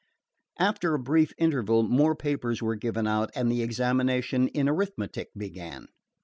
After a brief interval, more papers were given out, and the examination in arithmetic began.